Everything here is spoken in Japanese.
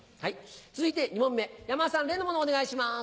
続いて２問目山田さん例のものお願いします。